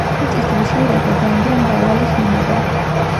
მიწისძვრის შედეგად დაინგრა მრავალი შენობა.